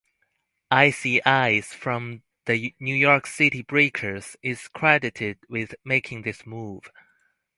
Icey Ice from the New York City Breakers is credited with making this move.